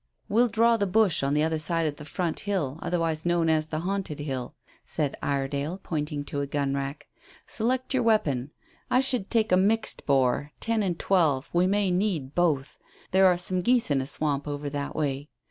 "We'll draw the bush on the other side of the Front Hill, otherwise known as the 'Haunted Hill,'" said Iredale, pointing to a gun rack. "Select your weapon. I should take a mixed bore ten and twelve. We may need both. There are some geese in a swamp over that way.